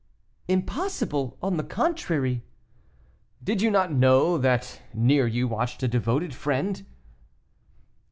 "Impossible, on the contrary." "Did you not know that near you watched a devoted friend?"